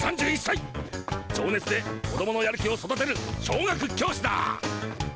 じょうねつで子どものやる気を育てる小学教師だ。